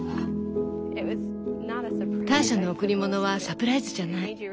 ターシャの贈り物はサプライズじゃない。